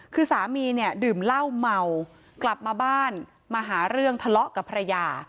คือสามีเนี่ยดื่มเหล้าเมากลับมาบ้านมาหาเรื่องทะเลาะกับภรรยา